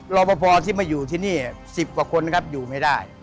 รอปภที่มาอยู่ที่นี่๑๐กว่าคนครับอยู่ไม่ได้